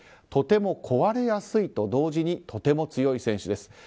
とても壊れやすいと同時にとても強い選手です